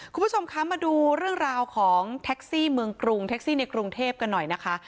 คุณผู้ชมคะมาดูเรื่องราวของแท็กซี่เมืองกรุงแท็กซี่ในกรุงเทพกันหน่อยนะคะ